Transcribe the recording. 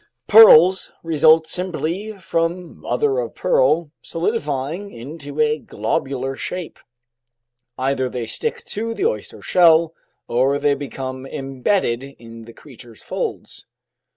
Pearls result simply from mother of pearl solidifying into a globular shape. Either they stick to the oyster's shell, or they become embedded in the creature's folds.